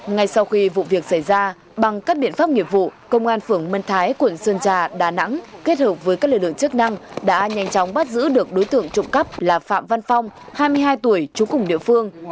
ngay sau khi vụ việc xảy ra bằng các biện pháp nghiệp vụ công an phường mân thái quận sơn trà đà nẵng kết hợp với các lực lượng chức năng đã nhanh chóng bắt giữ được đối tượng trộm cắp là phạm văn phong hai mươi hai tuổi trú cùng địa phương